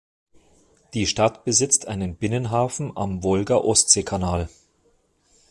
Die Stadt besitzt einen Binnenhafen am Wolga-Ostsee-Kanal.